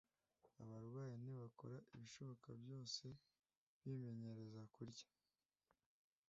Abarwayi nibakore ibishoboka byose bimenyereze kurya,